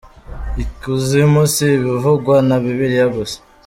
I kuzimu si ibivugwa na Bibiliya gusa.